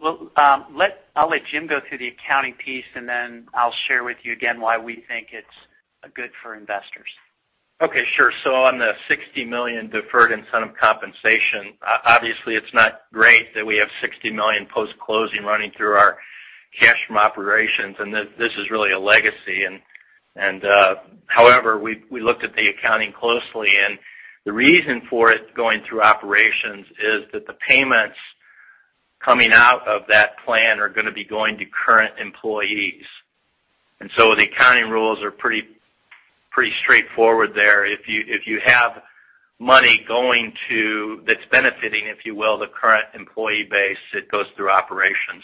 Well, I'll let Jim go through the accounting piece, and then I'll share with you again why we think it's good for investors. Okay, sure. On the $60 million deferred incentive compensation, obviously, it's not great that we have $60 million post-closing running through our cash from operations. This is really a legacy. However, we looked at the accounting closely. The reason for it going through operations is that the payments coming out of that plan are going to be going to current employees. The accounting rules are pretty straightforward there. If you have money that's benefiting, if you will, the current employee base, it goes through operations.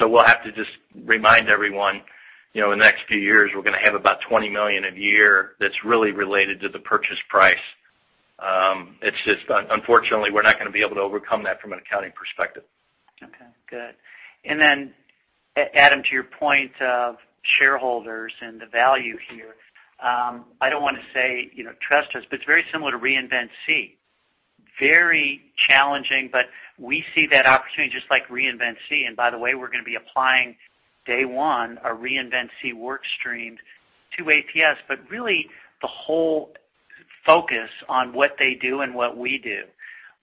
We'll have to just remind everyone, in the next few years, we're going to have about $20 million a year that's really related to the purchase price. It's just unfortunately, we're not going to be able to overcome that from an accounting perspective. Okay, good. Adam, to your point of shareholders and the value here, I don't want to say trust us, but it's very similar to Reinvent SEE. Very challenging, we see that opportunity just like Reinvent SEE. By the way, we're going to be applying day one a Reinvent SEE workstream to APS. Really, the whole focus on what they do and what we do.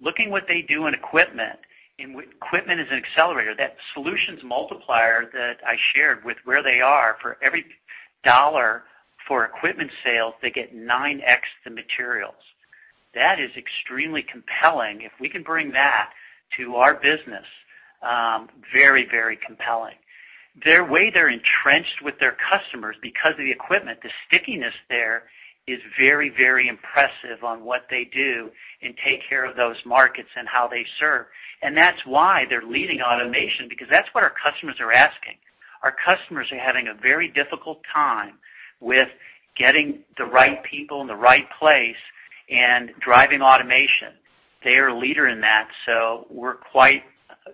Looking what they do in equipment is an accelerator. That solutions multiplier that I shared with where they are, for every $1 for equipment sale, they get 9X the materials. That is extremely compelling. If we can bring that to our business, very compelling. The way they're entrenched with their customers because of the equipment, the stickiness there is very impressive on what they do and take care of those markets and how they serve. That's why they're leading automation, because that's what our customers are asking. Our customers are having a very difficult time with getting the right people in the right place and driving automation. They are a leader in that, so we're quite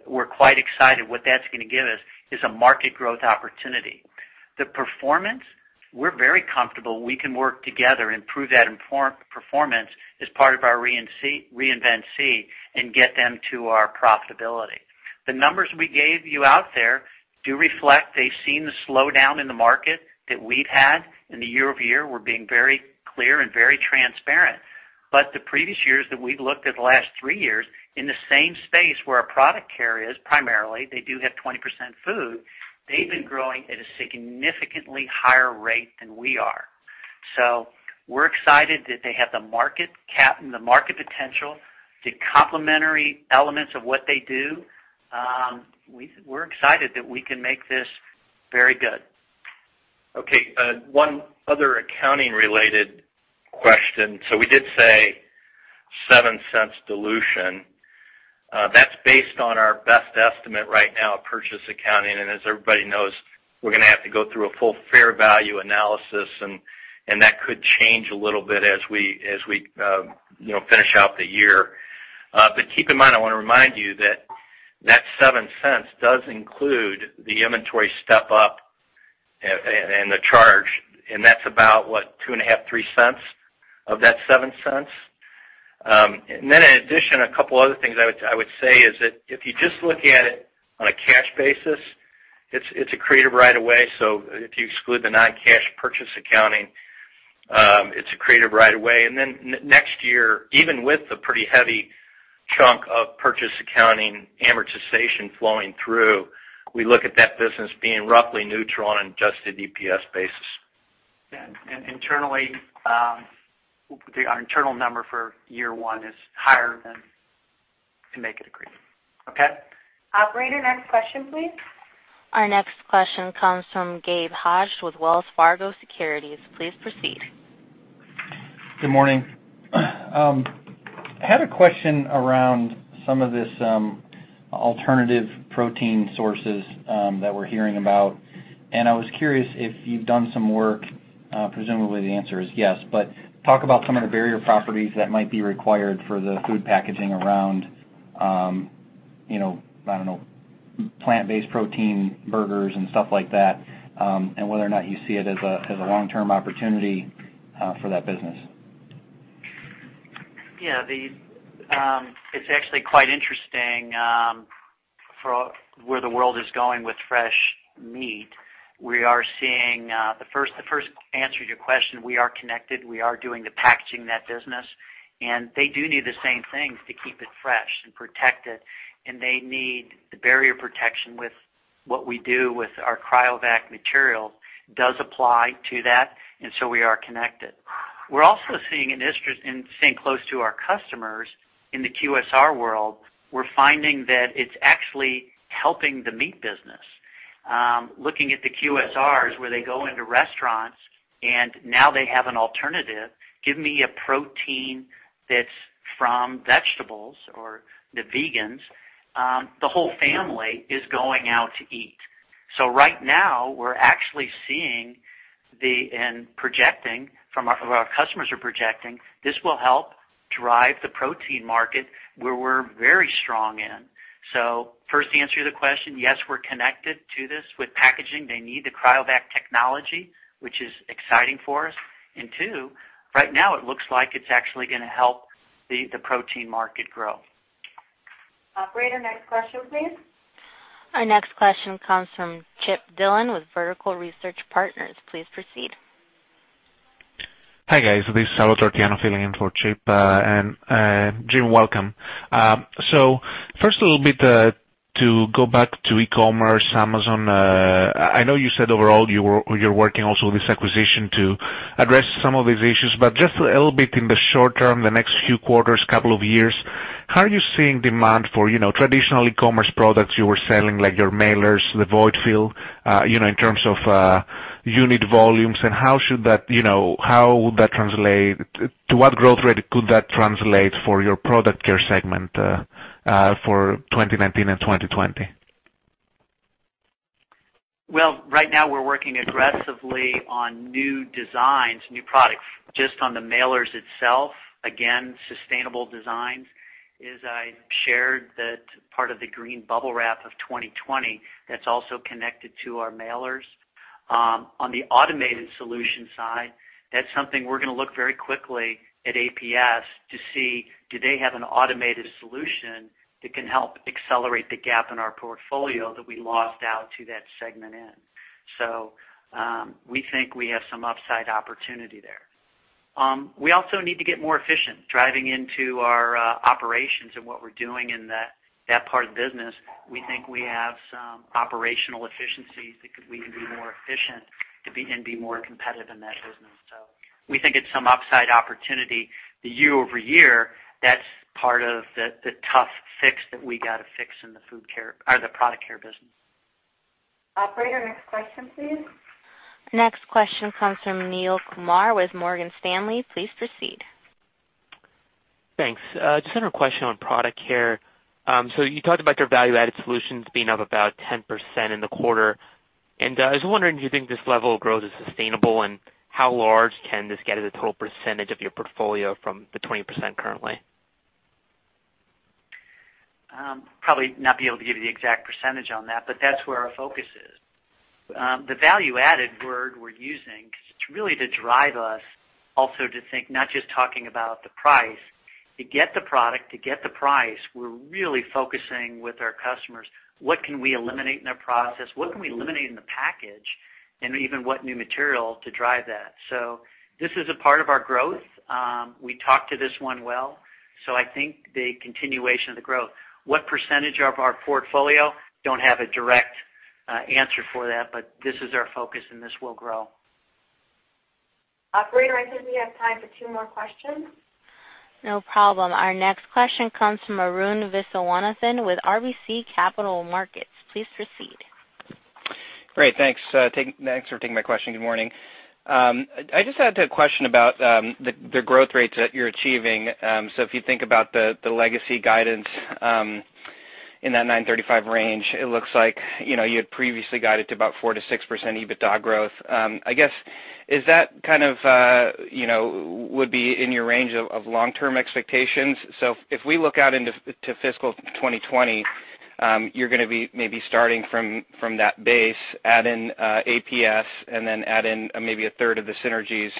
excited. What that's going to give us is a market growth opportunity. The performance, we're very comfortable we can work together, improve that performance as part of our Reinvent SEE, and get them to our profitability. The numbers we gave you out there do reflect, they've seen the slowdown in the market that we've had in the year-over-year. We're being very clear and very transparent. The previous years that we've looked at the last three years in the same space where our Product Care is primarily, they do have 20% food. They've been growing at a significantly higher rate than we are. We're excited that they have the market cap and the market potential, the complementary elements of what they do. We're excited that we can make this very good. Okay. One other accounting-related question. We did say $0.07 dilution. That's based on our best estimate right now of purchase accounting, and as everybody knows, we're going to have to go through a full fair value analysis, and that could change a little bit as we finish out the year. Keep in mind, I want to remind you that that $0.07 does include the inventory step-up and the charge, and that's about what, two and a half cents, $0.03 of that $0.07. In addition, a couple other things I would say is that if you just look at it on a cash basis, it's accretive right away, so if you exclude the non-cash purchase accounting, it's accretive right away. Next year, even with the pretty heavy chunk of purchase accounting amortization flowing through, we look at that business being roughly neutral on an adjusted EPS basis. Yeah. Internally, our internal number for year one is higher than to make it accretive. Okay? Operator, next question, please. Our next question comes from Gabe Hosch with Wells Fargo Securities. Please proceed. Good morning. I had a question around some of this alternative protein sources that we're hearing about, and I was curious if you've done some work. Presumably the answer is yes, but talk about some of the barrier properties that might be required for the food packaging around, I don't know, plant-based protein burgers and stuff like that, and whether or not you see it as a long-term opportunity for that business. It's actually quite interesting where the world is going with fresh meat. We are seeing, the first answer to your question, we are connected. We are doing the packaging, that business, and they do need the same things to keep it fresh and protected, and they need the barrier protection with what we do with our CRYOVAC material does apply to that, and so we are connected. We're also seeing an interest in staying close to our customers in the QSR world. We're finding that it's actually helping the meat business. Looking at the QSRs where they go into restaurants and now they have an alternative, give me a protein that's from vegetables or the vegans. The whole family is going out to eat. Right now, we're actually seeing and projecting, from what our customers are projecting, this will help drive the protein market where we're very strong in. First to answer your question, yes, we're connected to this with packaging. They need the CRYOVAC technology, which is exciting for us. Two, right now it looks like it's actually going to help the protein market grow. Operator, next question, please. Our next question comes from Chip Dillon with Vertical Research Partners. Please proceed. Hi, guys. This is Sal Tortiano filling in for Chip. Jim, welcome. First a little bit to go back to e-commerce, Amazon. I know you said overall you're working also with this acquisition to address some of these issues, but just a little bit in the short term, the next few quarters, couple of years, how are you seeing demand for traditional e-commerce products you were selling, like your mailers, the void fill, in terms of unit volumes, and how should that translate, to what growth rate could that translate for your Product Care segment for 2019 and 2020? Well, right now we're working aggressively on new designs, new products, just on the mailers itself. Again, sustainable designs as I shared that part of the green BUBBLE WRAP of 2020 that's also connected to our mailers. On the automated solution side, that's something we're going to look very quickly at APS to see, do they have an automated solution that can help accelerate the gap in our portfolio that we lost out to that segment in? We think we have some upside opportunity there. We also need to get more efficient driving into our operations and what we're doing in that part of the business. We think we have some operational efficiencies that we can be more efficient and be more competitive in that business. We think it's some upside opportunity. The year-over-year, that's part of the tough fix that we got to fix in the Product Care business. Operator, next question, please. Next question comes from Neil Kumar with Morgan Stanley. Please proceed. Thanks. Just another question on Product Care. You talked about your value-added solutions being up about 10% in the quarter. I was wondering if you think this level of growth is sustainable, and how large can this get as a total percentage of your portfolio from the 20% currently? Probably not be able to give you the exact percentage on that, but that's where our focus is. The value-added word we're using, it's really to drive us also to think not just talking about the price. To get the product, to get the price, we're really focusing with our customers. What can we eliminate in their process? What can we eliminate in the package? Even what new material to drive that. This is a part of our growth. We talk to this one well. I think the continuation of the growth. What percentage of our portfolio? Don't have a direct answer for that, but this is our focus, and this will grow. Operator, I think we have time for two more questions. No problem. Our next question comes from Arun Viswanathan with RBC Capital Markets. Please proceed. Great. Thanks. Thanks for taking my question. Good morning. I just had a question about the growth rates that you're achieving. If you think about the legacy guidance in that $935 range, it looks like you had previously guided to about 4%-6% EBITDA growth. I guess, is that would be in your range of long-term expectations? If we look out into fiscal 2020, you're going to be maybe starting from that base, add in APS, and then add in maybe a third of the synergies,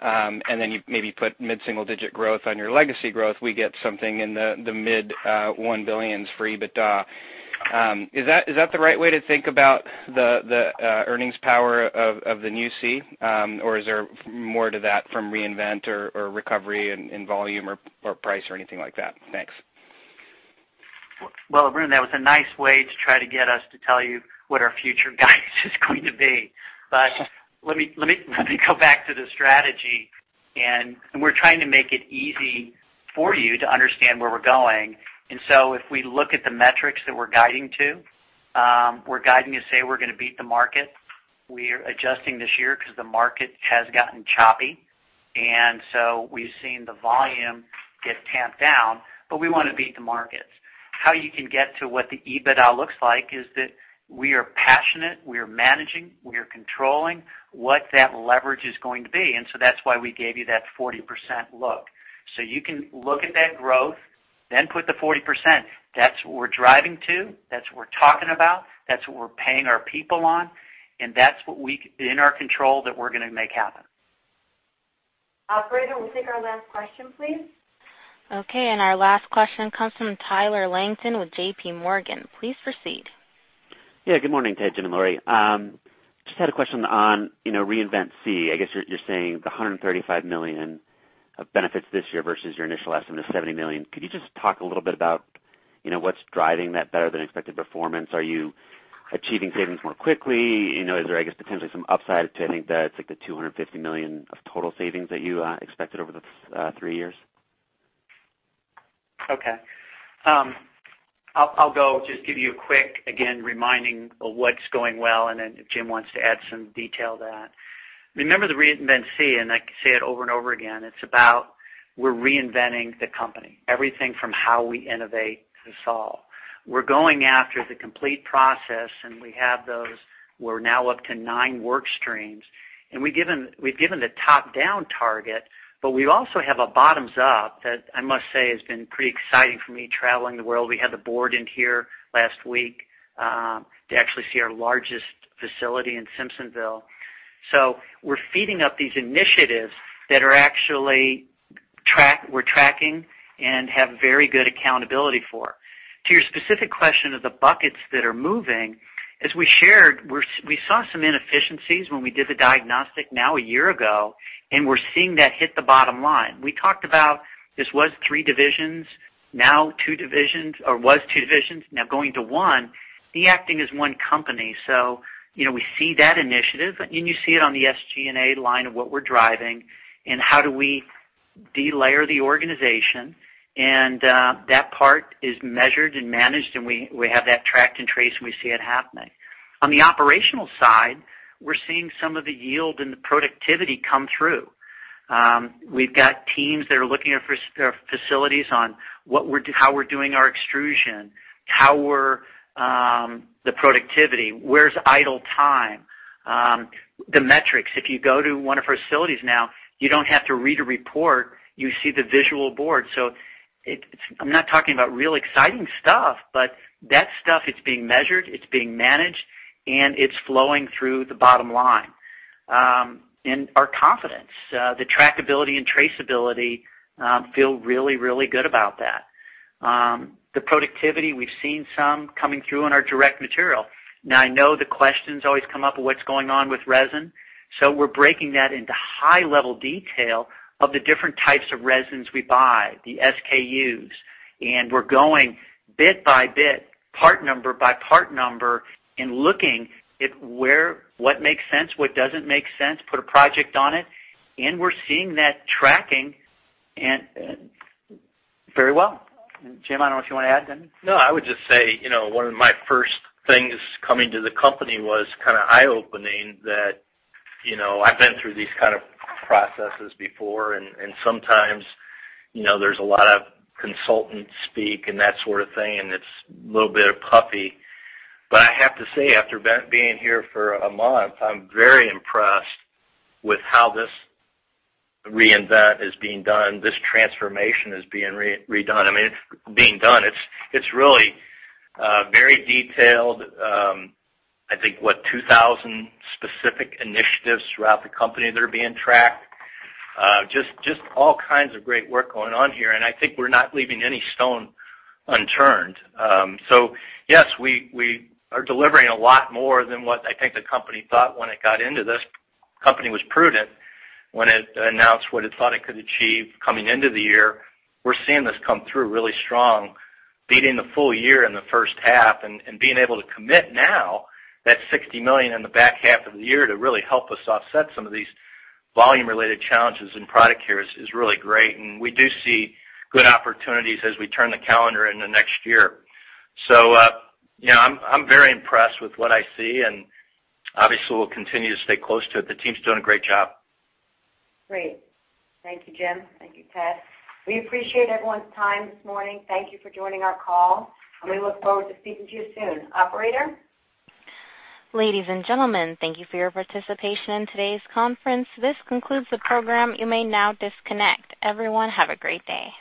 and then you maybe put mid-single digit growth on your legacy growth. We get something in the mid $1 billion for EBITDA. Is that the right way to think about the earnings power of the new SEE? Or is there more to that from Reinvent or recovery in volume or price or anything like that? Thanks. Well, Arun, that was a nice way to try to get us to tell you what our future guidance is going to be. Let me go back to the strategy, and we're trying to make it easy for you to understand where we're going. If we look at the metrics that we're guiding to, we're guiding to say we're going to beat the market. We're adjusting this year because the market has gotten choppy, and so we've seen the volume get tamped down, but we want to beat the market. How you can get to what the EBITDA looks like is that we are passionate, we are managing, we are controlling what that leverage is going to be. That's why we gave you that 40% look. You can look at that growth, then put the 40%. That's what we're driving to. That's what we're talking about. That's what we're paying our people on. That's what in our control that we're going to make happen. Operator, we'll take our last question, please. Okay. Our last question comes from Tyler Langton with J.P. Morgan. Please proceed. Yeah, good morning, Ted, Jim, and Lori. Just had a question on Reinvent SEE. I guess you're saying the $135 million of benefits this year versus your initial estimate of $70 million. Could you just talk a little bit about what's driving that better-than-expected performance? Are you achieving savings more quickly? Is there, I guess, potentially some upside to, I think that it's like the $250 million of total savings that you expected over the three years? Okay. I'll just give you a quick, again, reminding of what's going well. Then if Jim wants to add some detail to that. Remember the Reinvent SEE. I can say it over and over again, it's about we're reinventing the company. Everything from how we innovate to solve. We're going after the complete process. We have those. We're now up to nine work streams. We've given the top-down target. We also have a bottoms-up that I must say has been pretty exciting for me traveling the world. We had the board in here last week to actually see our largest facility in Simpsonville. We're feeding up these initiatives that we're tracking and have very good accountability for. To your specific question of the buckets that are moving, as we shared, we saw some inefficiencies when we did the diagnostic now one year ago, and we're seeing that hit the bottom line. We talked about this was 3 divisions, now 2 divisions, or was 2 divisions, now going to 1, the acting is 1 company. We see that initiative, and you see it on the SG&A line of what we're driving and how do we de-layer the organization. That part is measured and managed, and we have that tracked and traced, and we see it happening. On the operational side, we're seeing some of the yield and the productivity come through. We've got teams that are looking at facilities on how we're doing our extrusion, how the productivity, where's idle time, the metrics. If you go to one of our facilities now, you don't have to read a report. You see the visual board. I'm not talking about real exciting stuff, but that stuff, it's being measured, it's being managed, and it's flowing through the bottom line. Our confidence, the trackability and traceability feel really, really good about that. The productivity, we've seen some coming through in our direct material. Now I know the questions always come up of what's going on with resin. We're breaking that into high-level detail of the different types of resins we buy, the SKUs. We're going bit by bit, part number by part number, and looking at what makes sense, what doesn't make sense, put a project on it. We're seeing that tracking very well. Jim, I don't know if you want to add anything. I would just say, one of my first things coming to the company was kind of eye-opening that I've been through these kind of processes before, and sometimes there's a lot of consultant speak and that sort of thing, and it's a little bit puffy. I have to say, after being here for a month, I'm very impressed with how this Reinvent is being done. This transformation is being done. It's really very detailed. I think what, 2,000 specific initiatives throughout the company that are being tracked. Just all kinds of great work going on here, and I think we're not leaving any stone unturned. Yes, we are delivering a lot more than what I think the company thought when it got into this. Company was prudent when it announced what it thought it could achieve coming into the year. We're seeing this come through really strong, beating the full year in the first half and being able to commit now that $60 million in the back half of the year to really help us offset some of these volume-related challenges in Product Care is really great. We do see good opportunities as we turn the calendar into next year. I'm very impressed with what I see, and obviously we'll continue to stay close to it. The team's doing a great job. Great. Thank you, Jim. Thank you, Ted. We appreciate everyone's time this morning. Thank you for joining our call, and we look forward to speaking to you soon. Operator? Ladies and gentlemen, thank you for your participation in today's conference. This concludes the program. You may now disconnect. Everyone, have a great day.